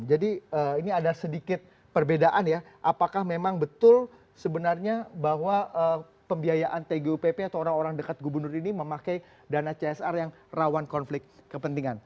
ini ada sedikit perbedaan ya apakah memang betul sebenarnya bahwa pembiayaan tgupp atau orang orang dekat gubernur ini memakai dana csr yang rawan konflik kepentingan